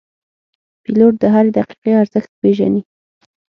پیلوټ د هرې دقیقې ارزښت پېژني.